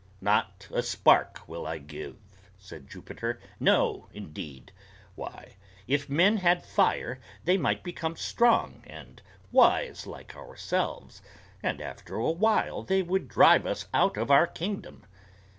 "Not a spark will I give," said Jupiter. "No, indeed! Why, if men had fire they might become strong and wise like ourselves, and after a while they would drive us out of our kingdom.